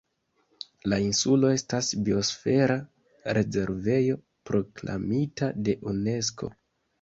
La insulo estas Biosfera rezervejo proklamita de Unesko.